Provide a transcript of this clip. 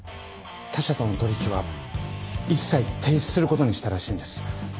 他社との取引は一切停止することにしたらしいんです。